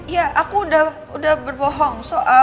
ya aku udah berbohong